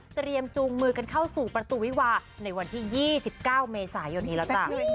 จูงมือกันเข้าสู่ประตูวิวาในวันที่๒๙เมษายนนี้แล้วจ้ะ